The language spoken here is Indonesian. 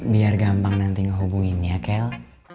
biar gampang nanti ngehubungin ya kel